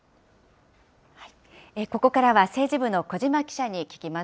ここからは政治部の小嶋記者に聞きます。